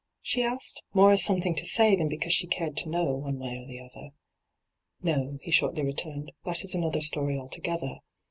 she asked, more as something to say than because she cared to know one way or the other, ' No,' he shortly returned ;' that is another story altogether.